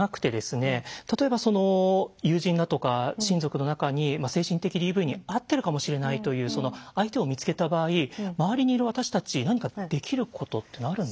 例えば友人だとか親族の中に精神的ＤＶに遭ってるかもしれないというその相手を見つけた場合周りにいる私たち何かできることっていうのはあるんですかね？